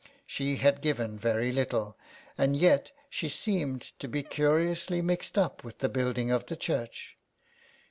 She had given very little, and yet she seemed to be curiously mixed up with the building of the church.